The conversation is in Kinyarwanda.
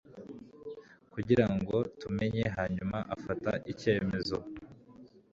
Kugirango tumenye hanyuma afata icyemezo